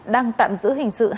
đang tạm giữ hình sự hành vi